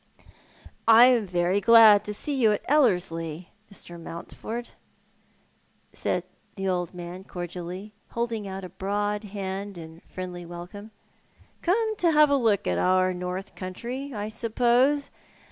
" I am very glad to see you at Ellerslie, Mr. Mountford," said the old man cordially, holding out a broad hand in friendly welcome. " Come to have a look at our North Countree, I suppose.